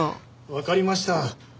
わかりました。